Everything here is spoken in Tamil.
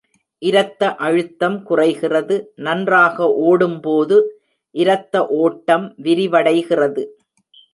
இரத்த அழுத்தம் குறைகிறது நன்றாக ஓடும் போது, இரத்த ஓட்டம் விரிவடைகிறது.